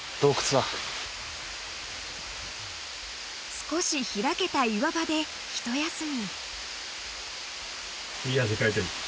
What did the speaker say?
［少し開けた岩場で一休み］